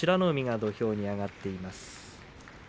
海が土俵に上がっています。